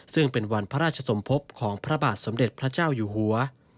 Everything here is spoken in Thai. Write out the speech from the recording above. ซึ่งเป็นวันพระราชสมภพของพระบาทสมเด็จพระเจ้าอยู่หัว